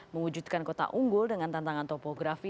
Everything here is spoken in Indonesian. mewujudkan kota unggul dengan tantangan topografi